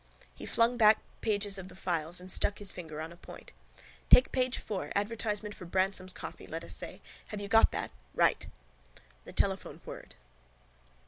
He flung back pages of the files and stuck his finger on a point. —Take page four, advertisement for Bransome's coffee, let us say. Have you got that? Right. The telephone whirred.